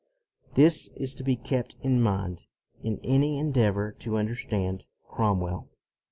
This is to be kept in mind in any en deavor to understand Cromwell.